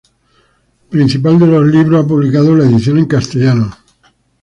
Principal de los Libros ha publicado la edición en castellano.